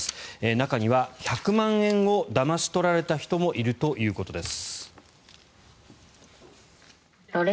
中には１００万円をだまし取られた人もいるということです。